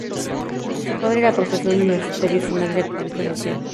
Su padre era profesor universitario, y su madre, activista social.